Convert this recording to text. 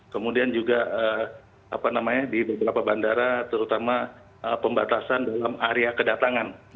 kemudian juga di beberapa bandara terutama pembatasan dalam area kedatangan